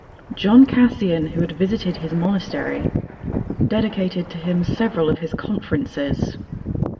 John Cassian, who had visited his monastery, dedicated to him several of his "Conferences".